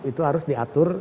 itu harus diatur